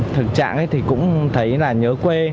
thực trạng thì cũng thấy là nhớ quê